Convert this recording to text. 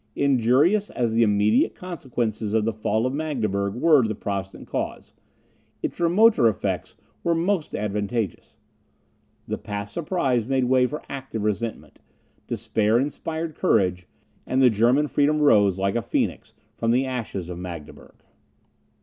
Injurious as the immediate consequences of the fall of Magdeburg were to the Protestant cause, its remoter effects were most advantageous. The past surprise made way for active resentment, despair inspired courage, and the German freedom rose, like a phoenix, from the ashes of Magdeburg.